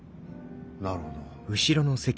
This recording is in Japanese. なるほど。